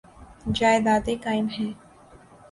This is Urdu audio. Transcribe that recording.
جائیدادیں قائم ہیں۔